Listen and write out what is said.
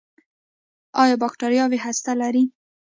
ایا بکتریاوې هسته لري؟